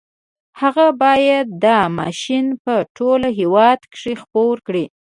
هغه بايد دا ماشين په ټول هېواد کې خپور کړي.